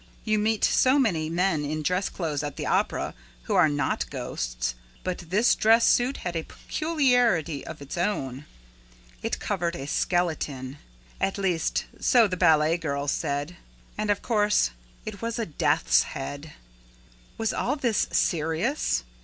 You meet so many men in dress clothes at the Opera who are not ghosts. But this dress suit had a peculiarity of its own. It covered a skeleton. At least, so the ballet girls said. And, of course, it had a death's head. Was all this serious?